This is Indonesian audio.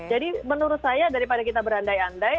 jadi menurut saya daripada kita berandai andai